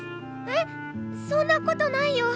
えっそんなことないよ。